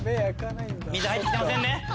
水入ってきてませんね